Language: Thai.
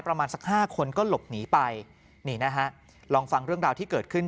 ประมาณสักห้าคนก็หลบหนีไปนี่นะฮะลองฟังเรื่องราวที่เกิดขึ้น